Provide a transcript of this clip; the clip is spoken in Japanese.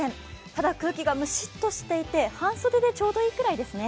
ただ空気がむしっとしていて半袖でちょうどいいくらいですね。